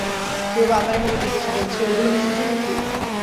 কেউ-বা আনাড়ির মতো জিজ্ঞাসা করেছে, ওগুলো কি সূর্যমুখী?